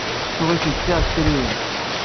Tuɣ-itent d tiɛsekriyin.